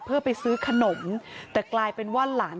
เพื่อไปซื้อขนมแต่กลายเป็นว่าหลาน